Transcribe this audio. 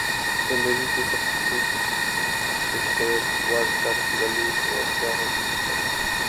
زندگی کی سفاکی کی اس سے بڑھ کر دلیل اور کیا ہوسکتی ہے